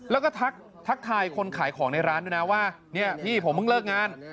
แล้วก็ทักทายคนขายของในร้านด้วยนะว่าเนี่ยพี่ผมเพิ่งเลิกงาน